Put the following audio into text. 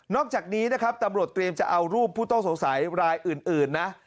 อกจากนี้นะครับตำรวจเตรียมจะเอารูปผู้ต้องสงสัยรายอื่นนะ